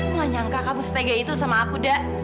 aku gak nyangka kamu setega itu sama aku dah